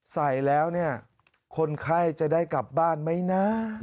ใส่แล้วเนี่ยคนไข้จะได้กลับบ้านไหมนะ